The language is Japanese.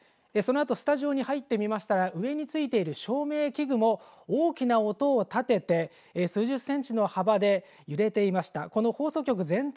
そのあとスタジオに入ってみますと上についている照明器具も大きな音を立てて数十センチの幅で揺れていました。